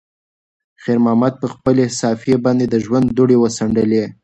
خیر محمد په خپلې صافې باندې د ژوند دوړې وڅنډلې.